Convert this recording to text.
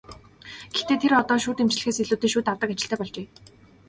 Гэхдээ тэр одоо шүд эмчлэхээс илүүтэй шүд авдаг ажилтай болжээ.